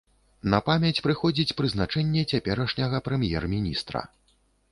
На памяць прыходзіць прызначэнне цяперашняга прэм'ер-міністра.